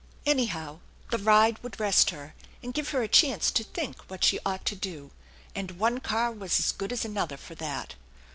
Anyhow, the ride would rest her and give her a chance to think what she ought to do, and one car was as good as another for that.